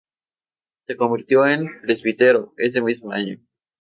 Se convirtió en presbítero ese mismo año.